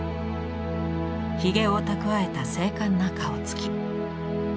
ひげを蓄えた精かんな顔つき。